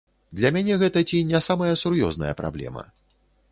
Для мяне гэта ці не самая сур'ёзная праблема.